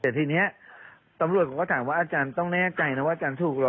แต่ทีนี้ตำรวจผมก็ถามว่าอาจารย์ต้องแน่ใจนะว่าอาจารย์ถูกเหรอ